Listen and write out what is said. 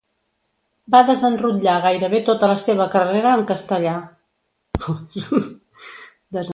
Va desenrotllar gairebé tota la seva carrera en castellà.